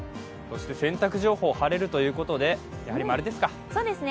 洗濯情報、晴れるということでやはり○ですか？